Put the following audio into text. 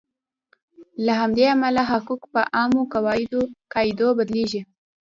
له همدې امله حقوق په عامو قاعدو بدلیږي.